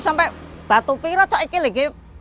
sampai batu piring loh